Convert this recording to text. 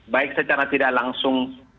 baik secara tidak langsung